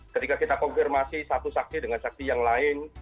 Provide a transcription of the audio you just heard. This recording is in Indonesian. ketika kita konfirmasi satu saksi dengan saksi yang lain